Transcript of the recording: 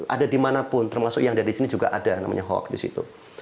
ada dimanapun termasuk yang ada di sini juga ada namanya hoax di situ